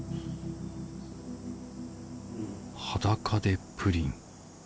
裸でプリン。